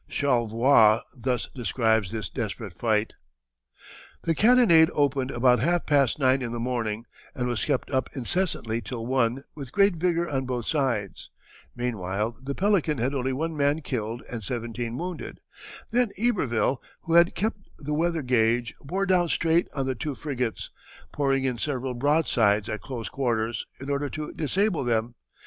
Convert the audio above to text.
Charlevoix thus describes this desperate fight: "The cannonade opened about half past nine in the morning and was kept up incessantly till one with great vigor on both sides. Meanwhile the Pelican had only one man killed and seventeen wounded. Then Iberville, who had kept the weather gauge, bore down straight on the two frigates, pouring in several broadsides at close quarters in order to disable them.